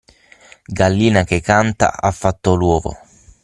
Gallina che canta ha fatto l'uovo.